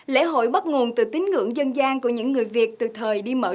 lễ hội bắt nguồn từ tín ngưỡng dân gian của những người việt từ thời đi mở